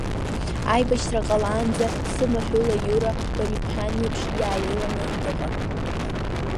Аибашьра ҟалаанӡа сымаҳәыла Иура, бара ибҳәан еиԥш, иааиланы дыҟан.